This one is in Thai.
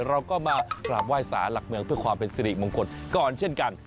เราก็มากราบไหว้สารหลักเมืองเพื่อความเป็นสิริมงคลก่อนเช่นกัน